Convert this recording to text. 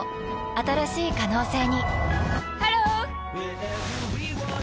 新しい可能性にハロー！